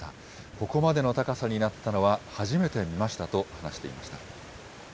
ここまでの高さになったのは初めて見ましたと話していました。